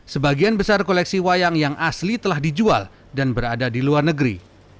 sebagian besar koleksi wayang yang asli telah dijual dan berada di luar negeri